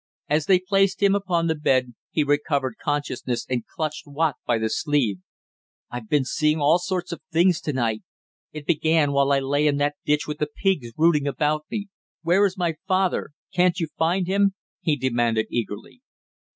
As they placed him upon the bed he recovered consciousness and clutched Watt by the sleeve. "I've been seeing all sorts of things to night it began while I lay in that ditch with the pigs rooting about me! Where is my father, can't you find him?" he demanded eagerly.